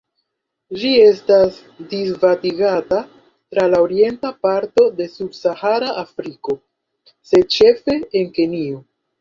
Ĝi estas disvastigata tra la orienta parto de subsahara Afriko, sed ĉefe en Kenjo.